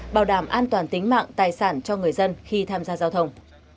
bảo đảm an toàn tính mạng tài sản cho người dân khi tham gia giao thông